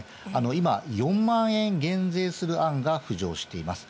今、４万円減税する案が浮上しています。